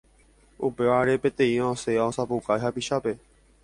Upévare peteĩva osẽ osapukái hapichápe.